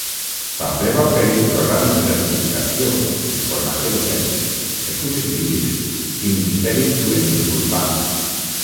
També va oferir programes de certificació en formació docent, estudis bíblics i ministeris juvenils urbans.